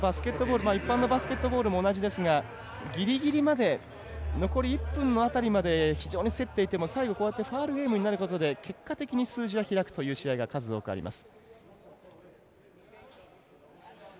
一般のバスケットボールも同じですがぎりぎりまで残り１分の辺りまで非常に競っていてもこうして最後ファウルゲームになることで結果的に数字は開くという試合が数多くあります。